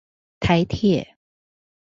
臺鐵